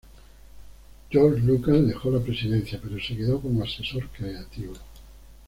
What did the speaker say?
George Lucas dejó la presidencia pero se quedó como asesor creativo.